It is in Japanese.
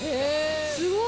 すごい。